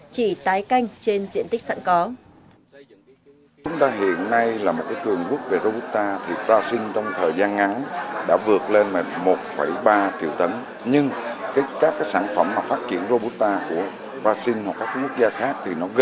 chỉ tái canh trên diện tích sẵn có